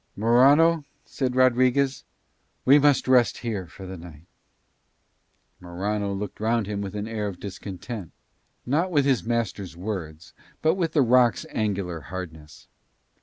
"Morano," said Rodriguez, "we must rest here for the night." Morano looked round him with an air of discontent, not with his master's words but with the rocks' angular hardness.